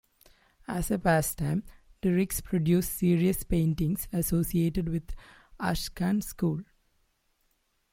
As a pastime, Dirks produced serious paintings associated with the Ashcan School.